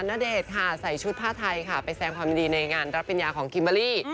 ณเดชน์ค่ะใส่ชุดผ้าไทยค่ะไปแสงความดีในงานรับปริญญาของคิมเบอร์รี่